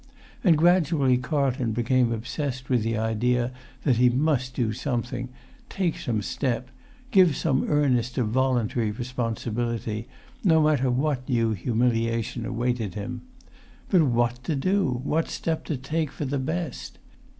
And gradually Carlton became obsessed with the idea that he must do something, take some step, give some earnest of voluntary responsibility, no matter what new humiliation awaited him. But what to do, what step to take, for the best!